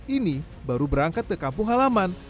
ini baru berangkat ke kampung halaman